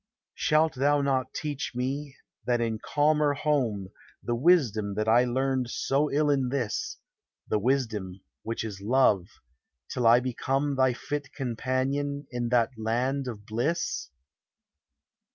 Shalt thou not teach me, in that calmer home, The wisdom that I learned so ill in this — The wisdom which is love — till I become Thy fit companion in that land of bliss?